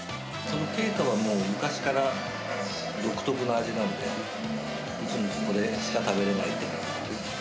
桂花はもう昔から独特の味なんで、いつもここでしか食べれないっていうか。